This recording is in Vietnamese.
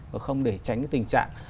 và không để tránh cái tình trạng